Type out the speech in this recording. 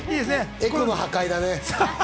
エコの破壊だね。